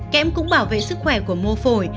kém cũng bảo vệ sức khỏe của mô phổi